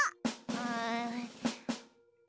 うん。